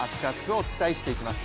お伝えしていきます。